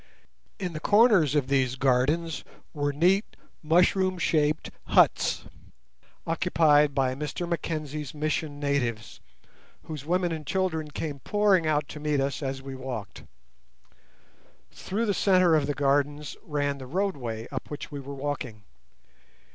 In the corners of these gardens were groups of neat mushroom shaped huts, occupied by Mr Mackenzie's mission natives, whose women and children came pouring out to meet us as we walked. Through the centre of the gardens ran the roadway up which we were walking.